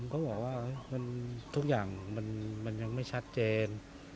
ผมก็บอกว่ามันทุกอย่างยังไม่ชัดเจน